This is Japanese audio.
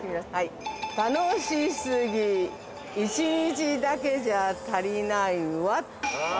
楽しすぎ一日だけじゃ足りないわ。